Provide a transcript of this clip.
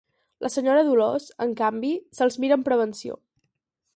La senyora Dolors, en canvi, se'ls mira amb prevenció.